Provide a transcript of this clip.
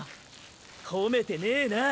褒めてねえな。